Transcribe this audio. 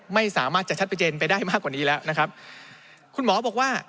ไม่สามารถจะชัดเจนไปได้มากกว่านี้แล้วนะครับคุณหมอบอกว่า